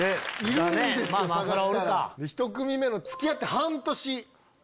ひと組目の付き合って半年。